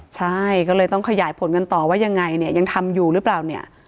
ใช่ก็เลยต้องขยายผลกันต่อว่ายังไงเนี่ยยังทำอยู่หรือเปล่าเนี่ย